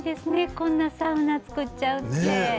こんなサウナを作っちゃうなんて。